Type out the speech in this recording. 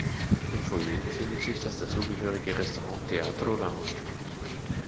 Im Foyer befindet sich das dazugehörige Restaurant "Teatro Lounge".